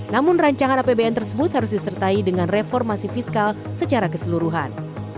namun rancangan apbn tersebut harus disertai dengan reformasi fiskal secara keseluruhan